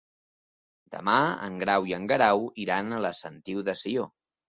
Demà en Grau i en Guerau iran a la Sentiu de Sió.